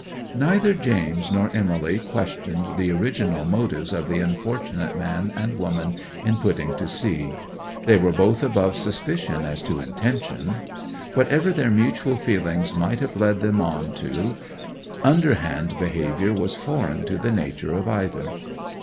'Neither James nor Emily questioned the original motives of the unfortunate man and woman in putting to sea. They were both above suspicion as to intention. Whatever their mutual feelings might have led them on to, underhand behaviour was foreign to the nature of either.